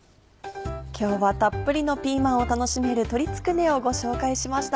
今日はたっぷりのピーマンを楽しめる鶏つくねをご紹介しました。